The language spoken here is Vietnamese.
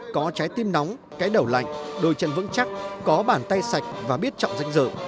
có trái tim nóng cái đầu lạnh đôi chân vững chắc có bàn tay sạch và biết trọng danh dự